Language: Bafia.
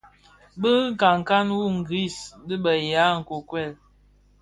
Bi nkankan wu ngris dhi be ya nkuekuel.